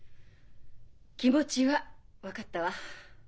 気持ちは分かったわ。